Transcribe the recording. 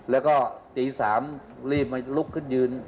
แล้วก็ตี๓รีบมาลุกขึ้นยืน